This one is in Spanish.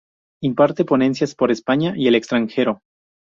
Imparte ponencias por España y el extranjero.